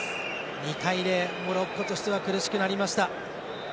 ２対０、モロッコとしては苦しくなりました。